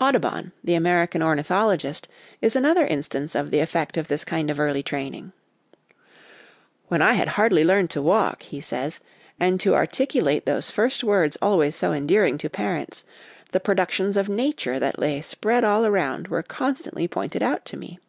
Audubon, the American ornithologist, is another instance of the effect of this kind of early training. " When I had hardly learned to walk," he says, " and to articulate those first words always so endearing to parents, the productions of Nature that lay spread all around were constantly pointed out to me.